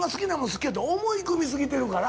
好きやと思い込み過ぎてるから。